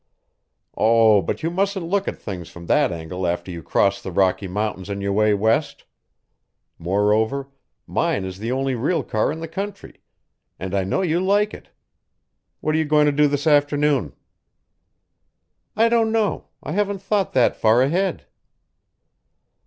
"Oh, but you mustn't look at things from that angle after you cross the Rocky Mountains on your way west. Moreover, mine is the only real car in the country, and I know you like it. What are you going to do this afternoon?" "I don't know. I haven't thought that far ahead."